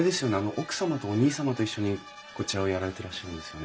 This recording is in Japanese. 奥様とお兄様と一緒にこちらをやられてらっしゃるんですよね？